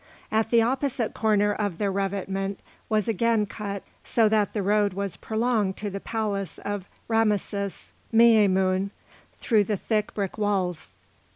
At the opposite corner the revetment was again cut so that the road was prolonged to the palace of Rameses Meïamoun through the thick brick walls.